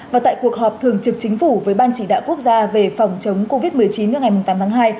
và tại cuộc họp thường trực chính phủ với ban chỉ đạo quốc gia về phòng chống covid một mươi chín vào ngày tám tháng hai